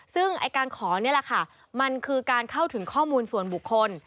ซึ่งการขอนี่แหละค่ะมันคือการเข้าถึงข้อมูลส่วนบุคคล